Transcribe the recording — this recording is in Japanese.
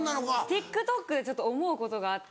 ＴｉｋＴｏｋで思うことがあって。